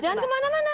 jangan kemana mana gem